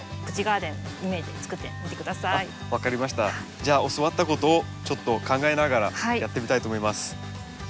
じゃあ教わったことをちょっと考えながらやってみたいと思います。